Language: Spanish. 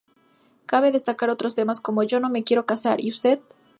Cabe destacar otros temas como ""Yo no me quiero casar, y usted?